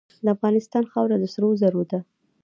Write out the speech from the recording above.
د افغانستان خاوره د سرو زرو ده.